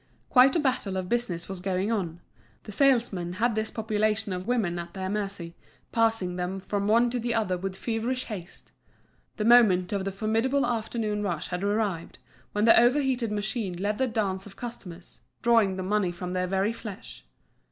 Quite a battle of business was going on, the salesmen had this population of women at their mercy, passing them from one to the other with feverish haste. The moment of the formidable afternoon rush had arrived, when the over heated machine led the dance of customers, drawing the money from their very flesh.